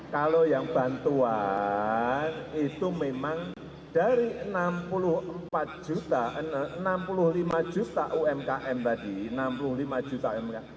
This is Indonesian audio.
kalau yang bantuan itu memang dari enam puluh empat juta enam puluh lima juta umkm tadi enam puluh lima juta umkm